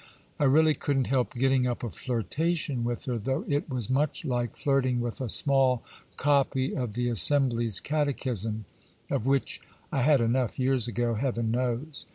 I really couldn't help getting up a flirtation with her, though it was much like flirting with a small copy of the Assembly's catechism, of which I had enough years ago, heaven knows.